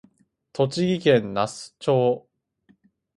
栃木県那須町